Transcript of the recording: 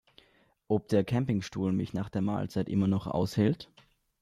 Ob der Campingstuhl mich nach der Mahlzeit immer noch aushält?